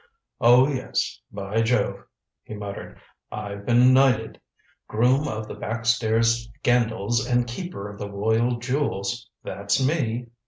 "Oh, yes, by jove," he muttered, "I've been knighted. Groom of the Back Stairs Scandals and Keeper of the Royal Jewels that's me."